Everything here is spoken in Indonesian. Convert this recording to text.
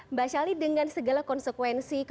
mbak shali dengan segala konsekuensi